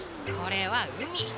これはうみ。